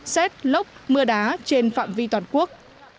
xét lốc mưa đá trên phạm vi toàn quốc